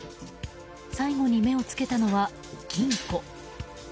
最後に目を付けたのは金庫。